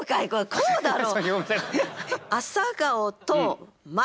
こうだろう。